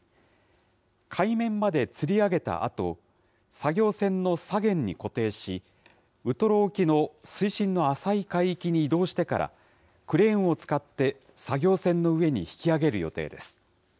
海面までつり上げたあと、作業船の左舷に固定し、ウトロ沖の水深の浅い海域に移動してから、クレーンを使って作業船の上に引き揚げる予定です。